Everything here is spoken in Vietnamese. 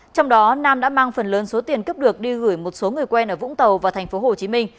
trong đó nam đã mang phần lớn số tiền cướp được đi gửi một số người quen ở vũng tàu và tp hcm